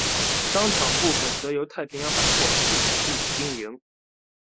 商场部份则由太平洋百货进驻经营。